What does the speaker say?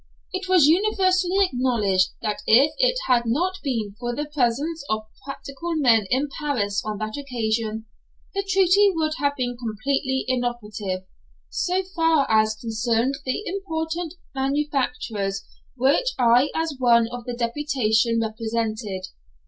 It was universally acknowledged that if it had not been for the presence of practical men in Paris on that occasion, the treaty would have been completely inoperative, so far as concerned the important manufactures which I as one of the deputation represented.